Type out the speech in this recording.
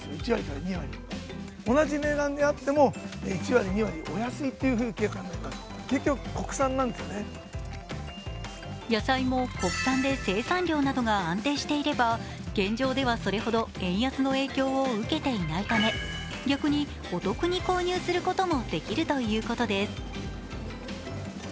また野菜では野菜も国産で生産量などが安定していれば現状ではそれほど円安の影響を受けていないため逆にお得に購入することもできるということです。